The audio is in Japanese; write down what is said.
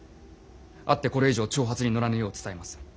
会ってこれ以上挑発に乗らぬよう伝えます。